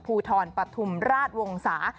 ภูทรปธรรมราชวงศาสตร์